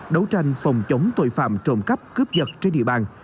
đấu tranh phòng chống tội phạm trộm cắp cướp giật trên địa bàn